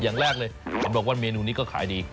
อย่างแรกเลยเห็นบอกว่าเมนูนี้ก็ขายดี